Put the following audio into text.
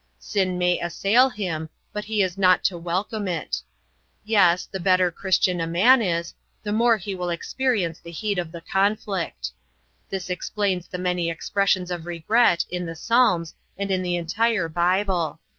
Sin may assail him, but he is not to welcome it. Yes, the better Christian a man is, the more he will experience the heat of the conflict. This explains the many expressions of regret in the Psalms and in the entire Bible.